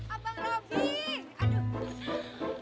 abang robi aduh